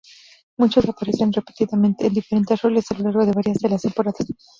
Muchos aparecen repetidamente en diferentes roles a lo largo de varias de las temporadas.